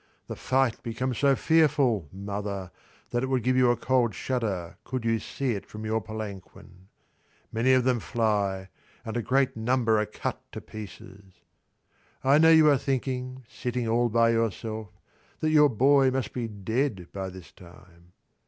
The fight becomes so fearful, mother, that it would give you a cold shudder could you see it from your palanquin. Many of them fly, and a great number are cut to pieces. I know you are thinking, sitting all by yourself, that your boy must be dead by this time.